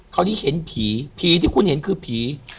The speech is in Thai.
คราวนี้เห็นผีผีที่คุณเห็นคือผี